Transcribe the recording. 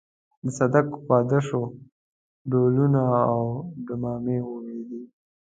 د صدک واده شو ډهلونه او ډمامې وغږېدې.